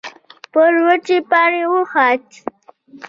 پر وچو پاڼو وخوت.